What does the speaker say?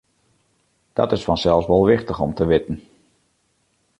Dat is fansels wol wichtich om te witten.